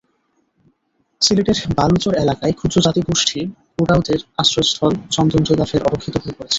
সিলেটের বালুচর এলাকায় ক্ষুদ্র জাতিগোষ্ঠী ওঁরাওদের আশ্রয়স্থল চন্দনটিলা ফের অরক্ষিত হয়ে পড়েছে।